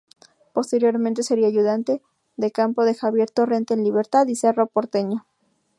Posteriormente sería ayudante de campo de Javier Torrente en Libertad y Cerro Porteño.